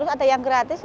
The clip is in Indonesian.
ada yang gratis